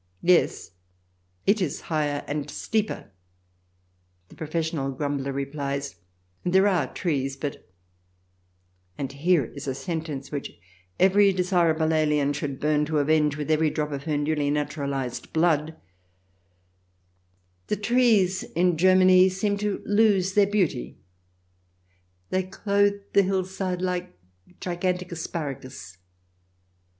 " Yes, it is higher and steeper," the professional grumbler replies ; and there are trees, but " and here is a sentence which every desirable alien should burn to avenge with every drop of her newly naturalized blood :" The trees in Germany seem to lose their beauty. They clothe the. hillside like gigantic asparagus."